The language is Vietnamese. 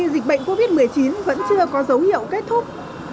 dịch bệnh covid một mươi chín vẫn chưa có dấu hiệu kết thúc